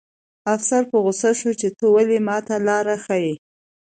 افسر په غوسه شو چې ته ولې ماته لاره ښیې